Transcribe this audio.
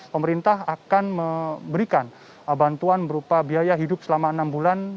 pemerintah akan memberikan bantuan berupa biaya hidup selama enam bulan